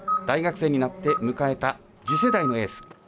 大学生になって迎えた次世代のエース。